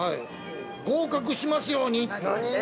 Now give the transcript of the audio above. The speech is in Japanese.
◆合格しますように。